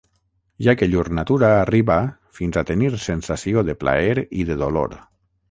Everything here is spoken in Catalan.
Ja que llur natura arriba fins a tenir sensació de plaer i de dolor.